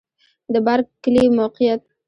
د بارک کلی موقعیت